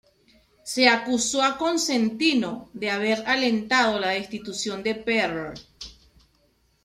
Se acusó a Cosentino de haber alentado la destitución de Perl.